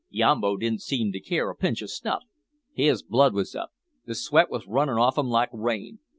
Yambo didn't seem to care a pinch o' snuff. His blood was up. The sweat was runnin' off him like rain.